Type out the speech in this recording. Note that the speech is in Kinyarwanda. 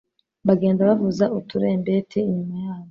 bagenda bavuza uturumbeti inyuma yabo